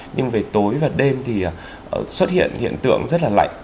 nhưng về tối và đêm thì xuất hiện hiện tượng rất là lạnh